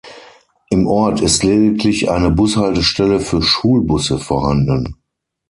Im Ort ist lediglich eine Bushaltestelle für Schulbusse vorhanden.